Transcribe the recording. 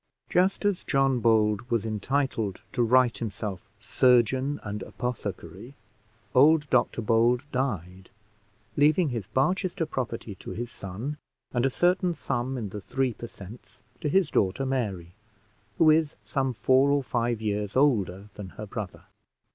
Just as John Bold was entitled to write himself surgeon and apothecary, old Dr Bold died, leaving his Barchester property to his son, and a certain sum in the three per cents. to his daughter Mary, who is some four or five years older than her brother.